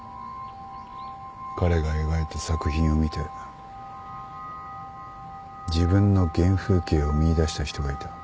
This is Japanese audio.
彼が描いた作品を見て自分の原風景を見いだした人がいた。